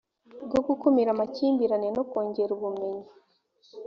bwo gukumira amakimbirane no kongera ubumenyi